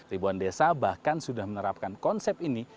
ribuan desa bahkan sudah menerapkan konsep ini